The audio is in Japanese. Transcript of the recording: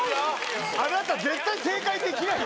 あなた絶対正解できない。